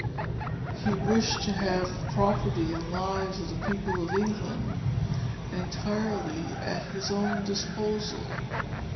He wished to have the property and lives of the people of England entirely at his own disposal.